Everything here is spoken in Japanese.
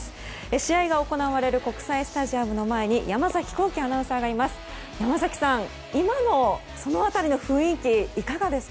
試合が行われる国際スタジアムの前に山崎弘喜アナウンサーがいます。